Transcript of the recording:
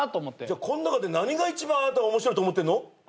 じゃあこん中で何が一番あなたは面白いと思ってるの？